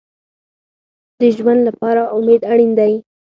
د ژوند لپاره امید اړین دی